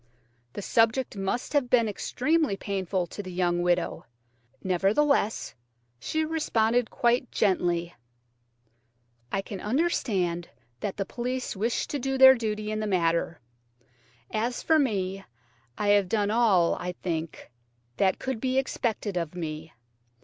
The subject must have been extremely painful to the young widow; nevertheless she responded quite gently: "I can understand that the police wish to do their duty in the matter; as for me, I have done all, I think, that could be expected of me.